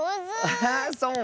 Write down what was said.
アハそう？